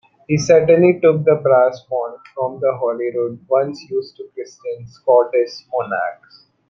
He certainly took the brass font from Holyrood once used to christen Scottish monarchs.